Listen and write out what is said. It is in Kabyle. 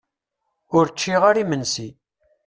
Ur ččiɣ ara imensi.